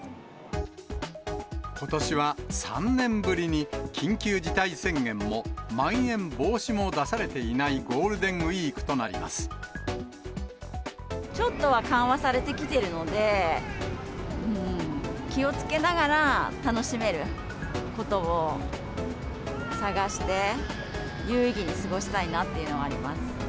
ことしは３年ぶりに、緊急事態宣言もまん延防止も出されていないゴールデンウィークとちょっとは緩和されてきているので、気をつけながら楽しめることを探して、有意義に過ごしたいなっていうのはあります。